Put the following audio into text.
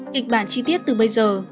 kịch bản chi tiết từ bây giờ